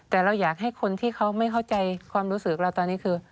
แต่เราอยากให้คนที่เขาไม่เข้าใจความรู้สึกเราตอนนี้คือ